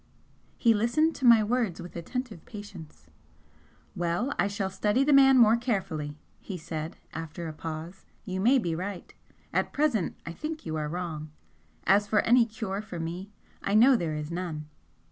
He listened to my words with attentive patience. "Well, I shall study the man more carefully," he said, after a pause; "You may be right. At present I think you are wrong. As for any cure for me, I know there is none.